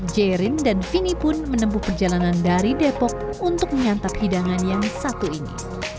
jerin dan vini pun menempuh perjalanan dari depok untuk menyantap hidangan yang satu ini